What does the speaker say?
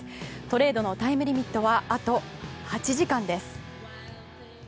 トレードのタイムリミットはあと８時間です。